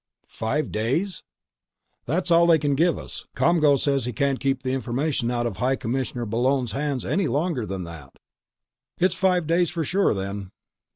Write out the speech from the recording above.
"Five days?" "That's all they can give us. ComGO says he can't keep the information out of High Commissioner Bullone's hands any longer than that." "It's five days for sure then."